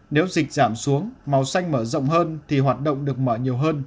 nếu dịch giảm xuống màu xanh mở rộng hơn thì hoạt động được mở nhiều hơn